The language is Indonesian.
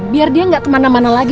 biar dia nggak kemana mana lagi